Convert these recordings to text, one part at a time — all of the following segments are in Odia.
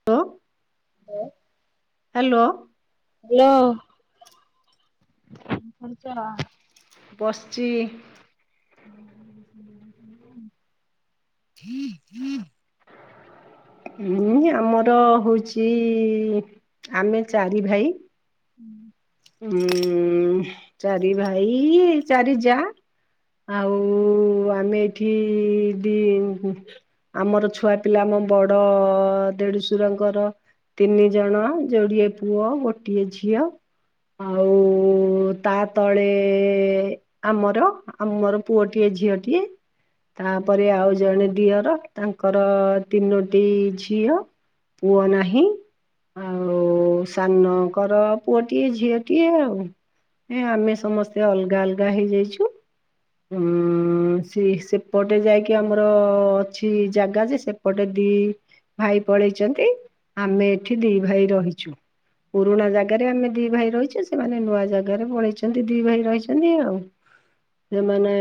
[unintelligible] [unintelligible] ହେଲୋ ହାଲୋ କଣ କରୁଛ? ବଶିଛି। [unintelligible] [unintelligible] ହଁ ଆମର ହଉଛି ଆମେ ଚାରି ଭାଇ ଉଁ ଚାରି ଭାଇ ଚାରି ଯା। ଆଉ ଆମେ ଏଠି ଦି ଉଁ ଆମର ଛୁଆ ପିଲା ଆମ ବଡ ଦେଡୁଶୁରଙ୍କର ତିନି ଜଣ ଯୋଡ଼ିଏ ପୁଅ ଗୋଟିଏ ଝିଅ। ଆଉ ତା ତଳେ ଆମର ଆମର ପୁଅଟିଏ ଝିଅଟିଏ। ତାପରେ ଆଉ ଜଣେ ଦିଅର ତାଙ୍କର ତିନୋଟି ଝିଅ। ପୁଅ ନାହିଁ ଆଉ ସାନଙ୍କର ପୁଅଟିଏ ଝିଅ ଟିଏ ଆଉ ନାଇ ଆମେ ସମସ୍ତେ ଅଲଗା ଅଲଗା ହେଇଯାଇଛୁ। ସେ ସେପଟେ ଯାଇକି ଆମର ଅଛି ଜାଗା ଯେ ସେ ଏପଟେ ଦି ଭାଇ ପଳେଇଛନ୍ତି ଆମେ ଏଠି ଦି ଭାଇ ରହିଛୁ। ପୁରୁଣା ଜାଗାରେ ଆମେ ଦି ଭାଇ ରହିଛୁ। ସେମାନେ ନୂଆ ଜାଗାରେ ପଳେଇଛନ୍ତି ଦି ଭାଇ ରହିଛନ୍ତି ଆଉ। ସେମାନେ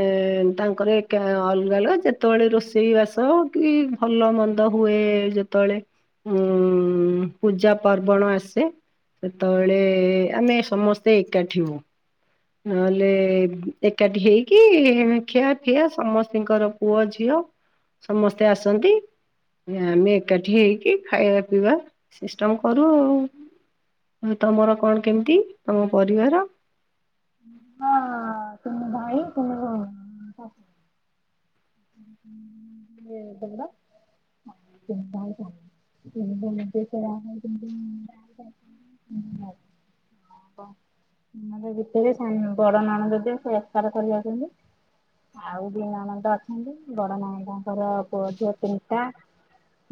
ତାଙ୍କର ଏକା ଅଲଗା ଅଲଗା ଯେତେବେଳେ ରୋଷେଇ ବାସ କି ଭଲ ମନ୍ଦ ହୁଏ ଯେତେବେଳେ ଉଁ ପୂଜା ପାର୍ବଣ ଆସେ ସେତେବେଳେ ଆମେ ସମସ୍ତେ ଏକାଠି ହଉ। ନହେଲେ ଏକାଠି ହେଇକି ଖିଆ ପିଆ ସମସ୍ତଙ୍କର ପୁଅ ଝିଅ ସମସ୍ତେ ଆସନ୍ତି। ଆମେ ଏକାଠି ହେଇକି ଖାଇବା ପିଇବା ସିଷ୍ଟମ କରୁ ଆଉ। ଆଉ ତମର କଣ କେମିତି ତମ ପରିବାର? ହଁ ତିନି ଭାଇ ତିନି ଭଉଣୀ। ହଁ ଇଏ ଦେବା। [unintelligible] [inaudible] [unintelligible] ଭିତରେ ବଡ ମାଣ ଯଦି ଏକକାର କରିବାଛନ୍ତି। - ଆଉ ଦି ନଣନ୍ଦ ଅଛନ୍ତି ବଡ ନଣନ୍ଦଙ୍କର ପୁଅ ଝିଅ ତିନିଟା।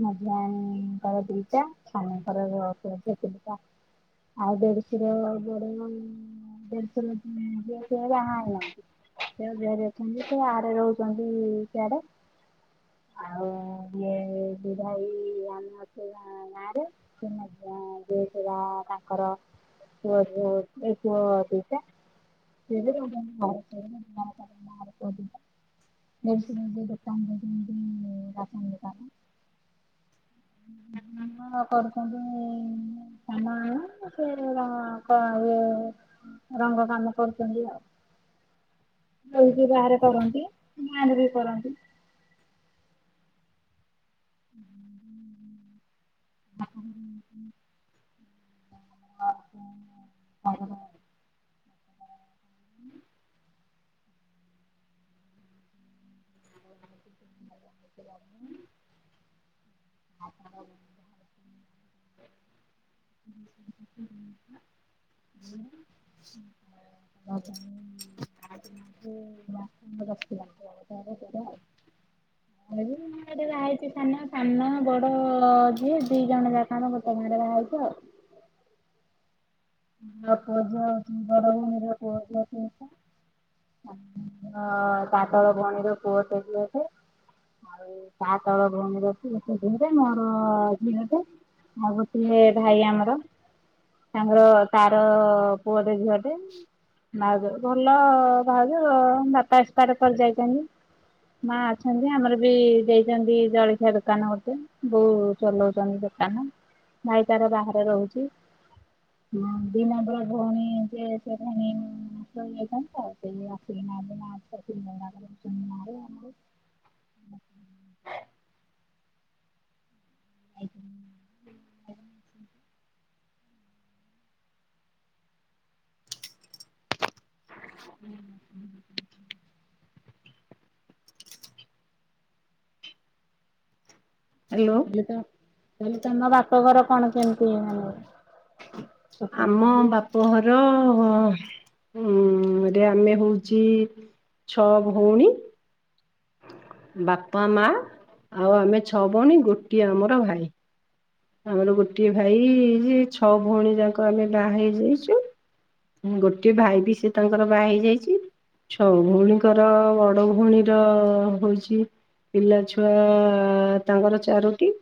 ମଝିଆଙ୍କର ଦିଟା ସାନଙ୍କର ପୁଅ ଝିଅ ତିନିଟା। ଆଉ ଦେଢଶୁର ବଡ ଦେଢଶୁର ପୁଅ ଝିଅ ବାହା ହେଇନାହାନ୍ତି। ପୁତୁରା ଝିଆରୀ ଅଛନ୍ତି ସେ ଆଡ ରହୁଛନ୍ତି ସିଆଡେ। ଆଉ ଇଏ ଦି ଭାଇ ଆମର ଗାଁରେ କି ଯିଏ ମଝିଆ [unintelligible] ବା ତାଙ୍କର ପୁଅ ଝିଅ ହୋଉଛି ଏ ପୁଅ ଦି ଟା। [unintelligible] ଦେଢ଼ଶ ଗୋଟା ମ ଦ ରାସନ ଲତା [unintelligible] ହ କଣନ୍ତ [unintelligible] ସେ- ମା -ସେ- ର- କ- ଇଏ ରଙ୍ଗ କାମ କରୁଛନ୍ତି ଆଉ। [inaudible] ଘରେ ବି ବାହାରେ କରନ୍ତି ଗାଁ ବି କରନ୍ତି। [unintelligible] [unintelligible] [unintelligible] [unintelligible] [unintelligible] [unintelligible] [unintelligible] ଗୋଟେ ଲାଇଟ୍ ସାନ ସାନ ବଡ ଯିଏ ଦି ଜଣ ଯାକ ଗୋଟେ ଗାଁରେ ବାହା ହେଇଚୁ ଆଉ। [inaudible] ତା ତଳ ଭଉଣୀର ପୁଅଟେ ଝିଅଟେ। ଆଉ ତା ତଳ ଭଉଣୀରେ ପୁଅଟେ ଝିଅଟେ ମୋର ଝିଅଟେ। ଆଉ ଗୋଟିିଏ ଭାଇ ଆମର ତାଙ୍କର ତାର ପୁଅଟେ ଝିଅଟେ। ଭାଉଜ ଭଲ ଭାଉଜ ବାପା ଏକ୍ସପାର କରି ଯାଇଛନ୍ତି। ମା ଅଛନ୍ତି ଆମର ବି ଦେଇଛନ୍ତି ଜଳଖିଆ ଦୋକାନ ଗୋଟେ। ବୋଉ ଚଲଉଛନ୍ତି ଦୋକାନ ଭାଇ ତାର ବାହାରେ ରହୁଛି। ମୋ ଦି ନମ୍ବର ଭଉଣୀ ଯେ ସେ ଭଉଣୀ [inaudible] [inaudible] [inaudible] ହୁଁ। ହ୍ୟାଲୋ ହେଲେ ତ ହେଲେ ତମ ବାପ ଘର କଣ କେମିତି ମାନେ? [inaudible] ହଁ ବାପଘର ଉ ରେ ଆମେ ହଉଚି ଛଅ ଭଉଣୀ। ବାପା ମା ଆଉ ଆମେ ଛଅ ଭଉଣୀ ଗୋଟିଏ ଆମର ଭାଇ। ଆମର ଗୋଟିଏ ଭାଇ ଯେ ଛଅ ଭଉଣୀ ଯାକ ଆମେ ବାହା ହେଇଯାଇଛୁ। ହୁଁ ଗୋଟିଏ ଭାଇ ବି ସେ ତାଙ୍କର ବାହା ହେଇଯାଇଚି। ଛଅ ଭଉଣୀଙ୍କର ବଡ ଭଉଣୀର ହଉଚି ପିଲା ଛୁଆ ତାଙ୍କର ଚାରୋଟି।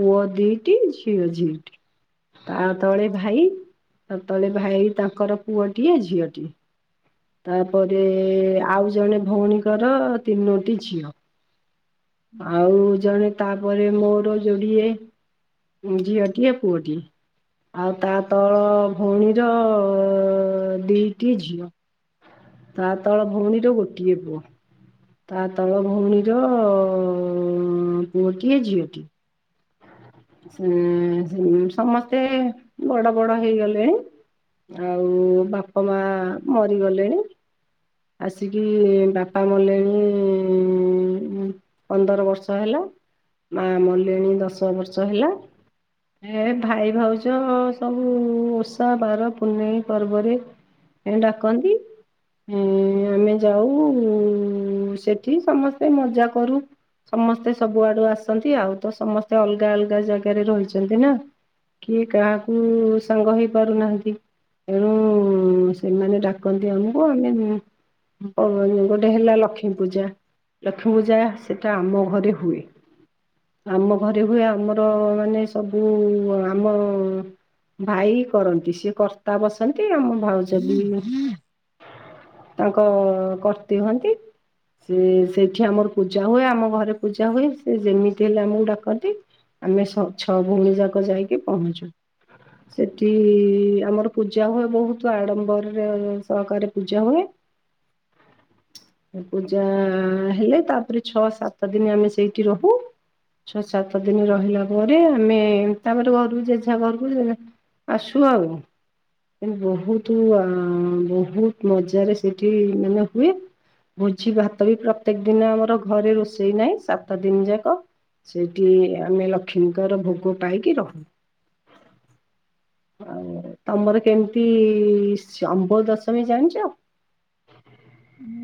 ପୁଅ ଦିଟି ଝିଅ ଝିଟି। ତା ତଳେ ଭାଇ ତା ତଳେ ଭାଇ ତାଙ୍କର ପୁଅଟିଏ ଝିଅଟିଏ। ତାପରେ ଆଉ ଜଣେ ଭଉଣୀଙ୍କର ତିନୋଟି ଝିଅ। ଆଉ ଜଣେ ତାପରେ ମୋର ଯୋଡିଏ ଝିଅଟିଏ ପୁଅଟି। ଆଉ ତା ତଳ ଭଉଣୀର ଦିଟି ଝିଅ। ତା ତଳ ଭଉଣୀର ଗୋଟିଏ ପୁଅ। ତା ତଳ ଭଉଣୀର ପୁଅଟିଏ ଝିଅଟିଏ। ସେମାନେ ସମସ୍ତେ ବଡ ବଡ ହେଇଗଲେଣି। ଆଉ ବାପା ମା ମରିଗଲେଣି। ଆସିକି ବାପା ମଲେଣି ପନ୍ଦର ବର୍ଷ ହେଲା ମା ମଲେଣୀ ଦଶ ବର୍ଷ ହେଲା। ଏ ଭାଇ ଭାଉଜ ସବୁ ଓଷା ବାର ପୁନେଇ ପର୍ବରେ ଏମିତି ଡାକନ୍ତି। ଆମେ ଯାଉ ସେଠି ସମସ୍ତେ ମଜା କରୁ। ସମସ୍ତେ ସବୁ ଆଡୁ ଆସନ୍ତି ଆଉ ତ ସମସ୍ତେ ଅଲଗା ଅଲଗା ଜାଗାରେ ରହିଛନ୍ତି ନା। କିଏ କାହାକୁ ସାଙ୍ଗ ହେଇ ପାରୁନାହାନ୍ତି। ତେଣୁ ସେମାନେ ଡାକନ୍ତି ଆମକୁ ଆମେ ଓ ଗୋଟେ ହେଲା ଲକ୍ଷ୍ମୀ ପୂଜା। ଲକ୍ଷ୍ମୀ ପୂଜା ସେଟା ଆମ ଘରେ ହୁଏ ଆମ ଘରେ ହୁଏ ଆମର ମାନେ ସବୁ ଆମ ଭାଇ କରନ୍ତି ସିଏ କର୍ତ୍ତା ବସନ୍ତି ଆମ ଭାଉଜ ବି। ତାଙ୍କ କର୍ତ୍ତି ହୁଅନ୍ତି। ସେ ସେଇଠି ଆମର ପୂଜା ହୁଏ ଆମ ଘରେ ପୂଜା ହୁଏ ସେ ଯେମିତି ହେଲେ ଆମକୁ ଡାକନ୍ତି କହନ୍ତି, ଆମେ ଛଅ ଭଉଣୀ ଯାକ ଯାଇକି ପହଞ୍ଚୁ। ସେଠି ଆମର ପୂଜା ହୁଏ ବହୁତ ଆଡମ୍ବରରେ ସହକାରେ ପୂଜା ହୁଏ। [inaudible] ପୂଜା ହେଲେ ତାପରେ ଛଅ ସାତ ଦିନ ଆମେ ସେଇଠି ରହୁ। ଛଅ ସାତ ଦିନ ରହିଲା ପରେ ଆମେ ତାପରେ ଘରକୁ ଜେଝା ଘରକୁ ଯେଝା ଆସୁ ଆଉ। ବହୁତ ବହୁତ ମଜାରେ ସେଠି ମାନେ ହୁଏ। ଭୋଜି ଭାତ ବି ପ୍ରତ୍ୟେକ ଦିନ ଆମର ଘରେ ରୋଷେଇ ନାହିଁ ସାତ ଦିନ ଯାକ। ସେଇଠି ଆମେ ଲକ୍ଷ୍ମୀଙ୍କର ଭୋଗ ପାଇକି ରହୁ। ଆଉ ତମର କେମିତି ଶମ୍ବ ଦଶମୀ ଜାଣିଛ?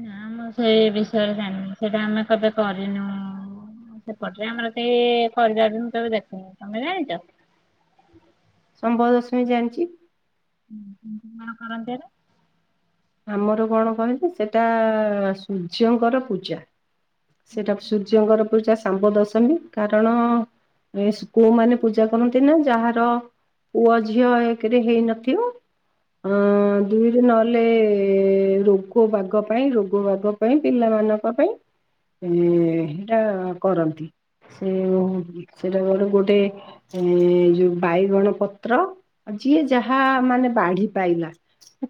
ନା ଆମେ ସେଇ ବିଷୟରେ ଜାଣିନୁ ସେଇଟା ଆମେ କେବେ କରିନୁ। ସେପଟରେ ଆମର ସେଇ ଶମ୍ବ ଦଶମି ଦେଖିନି ତମେ ଜାଣିଛ? ଶମ୍ବ ଦଶମୀ ଜାଣିଛି। [unintelligible] କଣ କରନ୍ତି? ଆମର କଣ କହିଲେ ସେଇଟା ସୂର୍ଯ୍ୟଙ୍କର ପୂଜା। ସେଇଟା ସୂର୍ଯ୍ୟଙ୍କର ପୂଜା। ଶାମ୍ବ ଦଶମୀ କାରଣ ଏ ପୁଅମାନେ ପୂଜା କରନ୍ତି ନା ଯାହାର ପୁଅ ଝିଅ ଏକରେ ହେଇନଥିବ ଅ ଦୁଇରେ ନହେଲେ ରୋଗ ବାଗ ପାଇଁ ରୋଗ ବାଗ ପାଇଁ ପିଲାମାନଙ୍କ ପାଇଁ ଏ ସେଇଟା କରନ୍ତି ସେ ସେଟାର ଗୋଟେ ଏ ଯୋଉ ବାଇଗଣ ପତ୍ର ଆଉ ଯିଏ ଯାହା ମାନେ ବାଢି ପାଇଲା।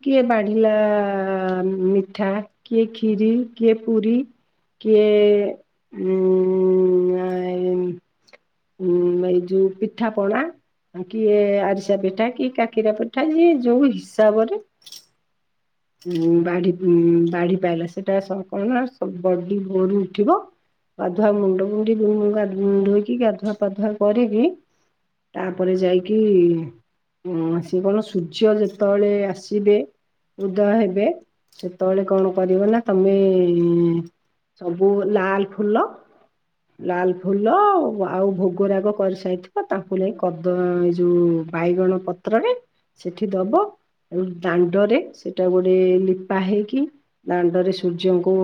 କିଏ ବାଢିଲା ମିଠା କିଏ ଖିରି କିଏ ପୁରି। କିଏ ଆ ହୁଁ ଏଇ ଯୋଉ ପିଠା ପଣା। କିଏ ଆରିସା ପିଠା କିଏ କାକିରା ପିଠା ଯିଏ ଯୋଉ ହିସାବ ରେ ଉ ବାଢି ଉ ବାଢି ପାଇଲା ସେଟା ସବୁ କଣ ନା ବଡି ଭୋରୁ ଉଠିବ। ଗାଧୁଆ ମୁଣ୍ଡ କୁଣ୍ଡେଇ [unintelligible] ଧୋଇକି ଗାଧୁଆ ପାାଧୁଆ କରିକି ତାପରେ ଯାଇକି ସେ କଣ ସୂର୍ଯ୍ୟ ଯେତେବେଳେ ଆସିବେ ଉଦୟ ହେବେ ସେତେବେଳେ କଣ କରିବ ନା ତମେ ସବୁ ଲାଲ ଫୁଲ। ଲାଲ ଫୁଲ ଆଉ ଭୋଗରାଗ କରିସାରିଥିବ ତାକୁ ନେଇ କଦଳୀ ଯୋଉ ବାଇଗଣ ପତ୍ରରେ ସେଠି ଦବ ଏବଂ ଦାଣ୍ଡରେ ସେଇଟା ଗୋଟେ ଲିପା ହେଇକି ଦାଣ୍ଡରେ ସୂର୍ଯ୍ୟଙ୍କୁ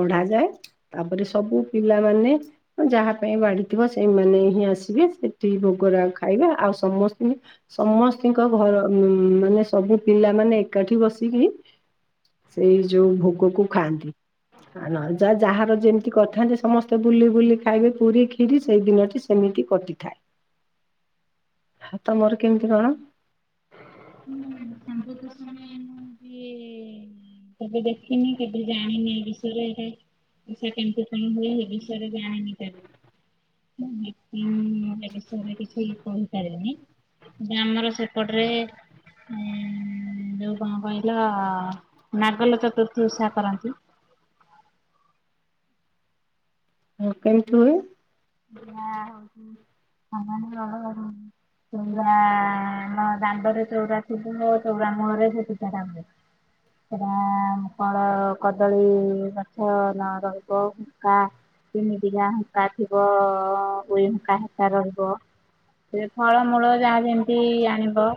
ବଢାଯାଏ। ତାପରେ ସବୁ ପିଲାମାନେ ଯାହା ପାଇଁ ବାଢିଥିବ ସେଇମାନେ ହିଁ ଆସିବେ ସେଠି ଭୋଗରାଗ ଖାଇବେ ଆଉ ସମସ୍ତିଙ୍କି ସମସ୍ତିଙ୍କ ଘର ଉ ମାନେ ସବୁ ପିଲାମାନେ ଏକାଠି ବସିକି ସେଇ ଯୋଉ ଭୋଗକୁ ଖାଆନ୍ତି। ନ ହେଲେ ଯା ଯାହାର ଯେମିତି କରିଥାନ୍ତି ସମସ୍ତେ ବୁଲି ବୁଲି ଖାଇବେ ପୁରୀ କ୍ଷୀରି ସେଇ ଦିନଟି ସେମିତି କଟିଥାଏ ଆଉ ତମର କେମିତି କଣ? ଶାମ୍ବଦଶମୀ। କେବେ ଦେଖିନି କେବେ ଜାଣିନି ଏ ବିଷୟରେ ଏ ଓଷାଟା କେମତି କଣ ହୁଏ ସେ ବିଷୟରେ ଜାଣିନି କେବେ। [unintelligible] ଏ ବିଷୟରେ କିଛି କହିପାରିବିନି କିନ୍ତୁ ଆମର ସେପଟେ ରେ। ଯୋଉ କଣ କହିଲ ନାଗଲ ଚତୁର୍ଥୀ ଓଷା କରନ୍ତି। ହ କେମିତି ହୁଏ? ନାଁ ହଉଛି। [unintelligible] ଚଉରା ମୋ ଦାଣ୍ଡରେ ଚଉରା ଥିବ ମୋ ଚଉରା ମୁଳରେ ସେ ପିଠାଟା ହୁଏ। ହ ସେଟା କଣ କଦଳୀ ଗଛ ନ ରହିବ ହୁଙ୍କା। ତିନି ଦିଲା ହୁଙ୍କା ଥିବ ଉଇ ହଙ୍କା ହେସା ରହିବ। ଏ ଫଳମୂଳ ଯାହା ଯେମିତି ଆଣିବ।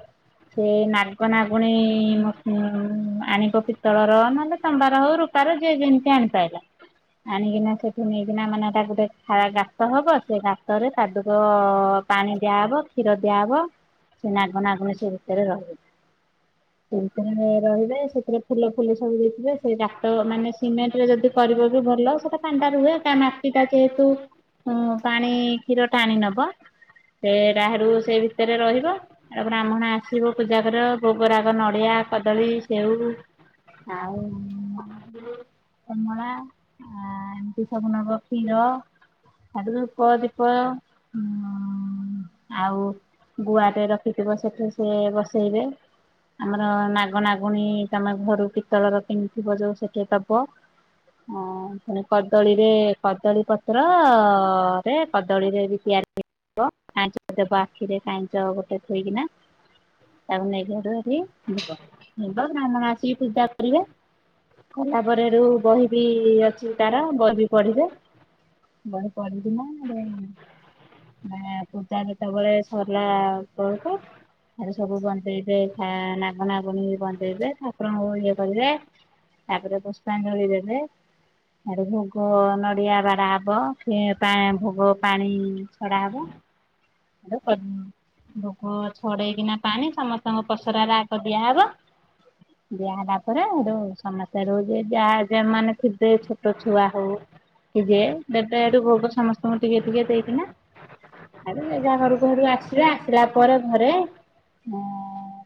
ସେ ନାଗ ନାଗୁଣୀ ମୂର୍ ଆଣିବ ପିତ୍ତଳର ନହେଲେ ତମ୍ବାର ହଉ ରୁପାର ହଉ ଯିଏ ଯେମିତି ଆଣିପାରିଲା। ଆଣିକିନା ସେଠୁ ନେଇକିନା ମାନେ ତା ଗୋଟେ। [unintelligible] ତମ ବର୍ଷ ସାତରେ ପାଦୁକ ପାଣି ଦିଆହବ କ୍ଷୀର ଦିଆହବ। ସିଏ ନାଗନାଗୁଣି ସେ ଭିତରେ ରହିବେ। ସେ ଭିତରେ ରହିବେ ସେଥିରେ ଫୁଲ ଫୁଲ ସବୁ ଦେବେ ସେ ଗାତ ମାନେ ସିମେଣ୍ଟ ରେ ଯଦି କରଵବି ଭଲ ସେଇଟା କାଣ୍ଡା ରୁହେ କା ମାଟିଟା ଯେହେତୁ ହଁ ପାଣି କ୍ଷୀର ଟାଣି ନବ ସେ ତାହାରୁ ସେଇ ଭିତରେ ରହିବ। ତାପରେ ବ୍ରାହ୍ମଣ ଆସିବ ପୂଜା ଘର ଭୋଗରାଗ ନଡିଆ କଦଳୀ ସେଉ। ଆଉ କମଳା ଆ ଏମିତି ସବୁ ନଵ କ୍ଷୀର। ତା ଧ୍ୱପ ଦୀପ ଉଁ ଆଉ [unintelligible] ଗୁଆ ଟେ ରଖିଥିବ ସେଠି ସିଏ ବସେଇବେ। ଆମର ନାଗ ନାଗୁଣୀ ତମେ ଘରୁ ପିତଳର କିଣିଥିବ ଯୋଉ ସେଠେ ଦବ। ହଁ, ମାନେ କଦଳୀରେ କଦଳୀ ପତ୍ର ହଁ ହଁ [inaudible] ପରେ କଦଳୀରେ ବି ତିଆରି ହୁଏ। କାଇଁଚ ଦେବ ଆଖିରେ କାଇଁଚ ଗୋଟେ ଥୋଇକିନା। ତାକୁ ନେଇଯିବ ହେରି ଯିବ ବ୍ରାହ୍ମଣ ଆସିକି ପୂଜା କରିବେ। କଲା ପରେ ହେଠୁ ବହି ବି ଅଛି ତାର ବହି ବି ପଢିବେ। ବହି ପଢିକିନା ହେଠୁ ମାନେ ପୂଜା ଯେତେବେଳେ ସରିଲା ହେତଳକୁ ହେଠୁ ସବୁ ବନ୍ଦେଇବେ ନାଗ ନାଗୁଣୀକୁ ବନ୍ଦେଇବେ ଠାକୁରଙ୍କୁ ଇଏ କରିବେ। ତାପରେ ପୁଷ୍ପାଞ୍ଜଳି ଦେବେ, ହେଠୁ ଭୋଗ ନଡିଆ ବାଡ଼ା ହବ। ହବ ଫେ ତା ଭୋଗ ପାଣି ଛଡା ହବ। ଭୋଗ ଛଡେଇକିନା ପାଣି ସମସ୍ତଙ୍କ ପସରାରେ ଆଗ ଦିଆହବ। [inaudible] ଦିଆହେଲା ପରେ ହେଠୁ ସମସ୍ତେ ରହୁଛି ଯାହା ଯେ ମାନ ଥିବେ ଛୋଟ ଛୁଆ ହଉ ଥିବେ ଦେବେ ହେଠୁ ଭୋଗ ସମସ୍ତଙ୍କୁ ଟିକେ ଟିକେ ଦେଇକିନା। ଯିଏ ଯା ଘରକୁ ହେରି ଆସିବେ ଆସିଲା ପରେ ଘରେ, ହଁ।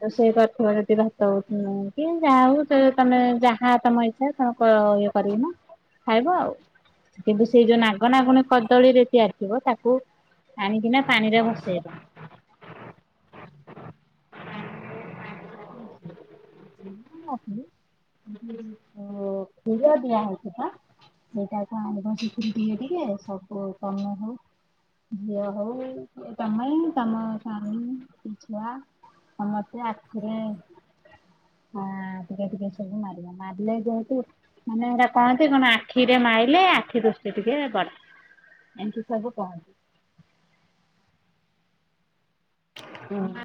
ରୋଷେଇ କରୁଥିବ ଯଦି ଭାତ ହଉ କି ଯାହା ହଉ ତ ତମେ ଯାହା ତମ ଇଚ୍ଛା। ତମେ କ ଇଏ କରିକିନା ଖାଇବ ଆଉ। କିନ୍ତୁ ସେଇ ଯୋଉ ନାଗ ନାଗୁଣୀ କଦଳୀ ରେ ତିଆରି ଥିବ ତାକୁ ଆଣିକି ନା ପାଣି ରେ ଭସେଇବ। ହଁ ଓ [inaudible] କ୍ଷୀର ଦିଆ ହେଉଛି ବା। ସେଇଟା ତ ଆଣିବ ସେଥିରୁ ଟିକେ ଟିକେ ସବୁ କାମ ହଉ [unintelligible] ଝିଅ ହଉ ତମେ ତମ ସ୍ୱାମୀ ଛୁଆ ସମସ୍ତେ ଆଖିରେ ହଁ ଟିକେ ଟିକେ ସବୁ ମାରିବ ମାରିଲେ ଯେହେତୁ ମାନେ ହେରା କହନ୍ତି କଣ ଆଖିରେ ମାଇଲେ ଆଖି ଦୁଷ୍ଟି ଟିକେ ବଢେ, ଏମତି ସବୁ କହନ୍ତିୁ। ହୁଁ।